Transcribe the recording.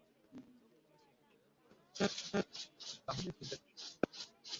তাহলে চিন্তা কীসের?